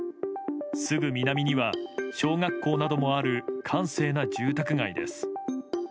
すぐ南には、小学校などもある閑静な住宅街です。